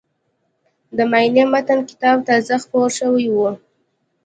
د «معنای متن» کتاب تازه خپور شوی و.